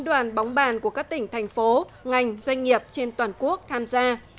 đến từ một mươi bốn đoàn bóng bàn của các tỉnh thành phố ngành doanh nghiệp trên toàn quốc tham gia